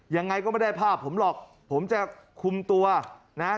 ยังไงก็ไม่ได้ภาพผมหรอกผมจะคุมตัวนะฮะ